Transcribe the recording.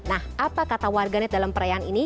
nah apa kata warganet dalam perayaan ini